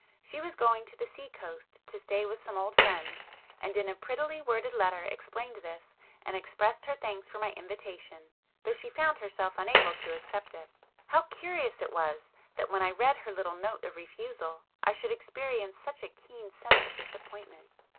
She was going to the sea coast to stay with some old friends, and in a prettily worded letter explained this, and expressed her thanks for my invitation, though she found herself unable to accept it. How curious it was that when I read her little note of refusal I should experience such a keen sense of disappointment!